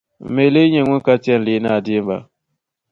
M mi lee nyɛ ŋuni ka n ti yɛn leei naa deemba?